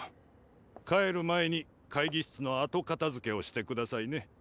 帰る前に会議室の後片づけをしてくださいね。